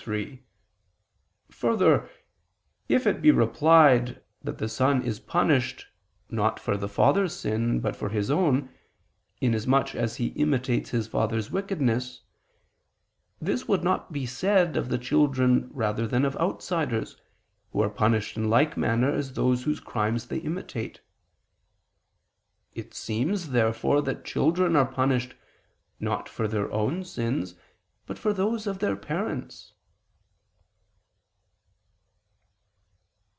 3: Further, if it be replied that the son is punished, not for the father's sin, but for his own, inasmuch as he imitates his father's wickedness; this would not be said of the children rather than of outsiders, who are punished in like manner as those whose crimes they imitate. It seems, therefore, that children are punished, not for their own sins, but for those of their parents.